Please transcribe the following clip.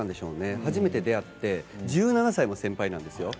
初めて出会って１７歳も先輩なんですよ。